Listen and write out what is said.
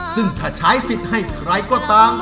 ซึ่งถ้าใช้สิทธิ์ให้ใครก็ตาม